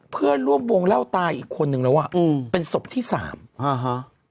เพื่อนร่วมวงเล่าตายอีกคนนึงแล้วอ่ะอืมเป็นศพที่สามอ่าฮะ